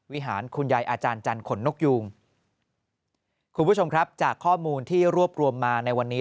วิหารคุณยายอาจารย์จันทนนกยูงคุณผู้ชมครับจากข้อมูลที่รวบรวมมาในวันนี้